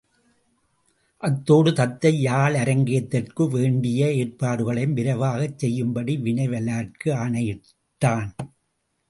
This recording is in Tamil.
அதோடு தத்தை யாழரங்கேற்றத்திற்கு வேண்டிய ஏற்பாடுகளையும் விரைவாகச் செய்யும்படி வினைவலார்க்கு ஆணையிட்டான்.